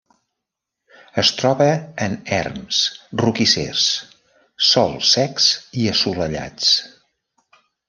Es troba en erms, roquissers, sòls secs i assolellats.